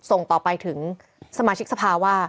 ส่งต่อไปถึงสมาชิกสภาว่า